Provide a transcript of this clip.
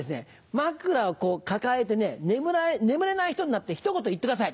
枕を抱えて眠れない人になってひと言言ってください。